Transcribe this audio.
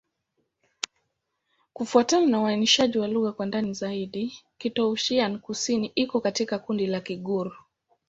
Kufuatana na uainishaji wa lugha kwa ndani zaidi, Kitoussian-Kusini iko katika kundi la Kigur.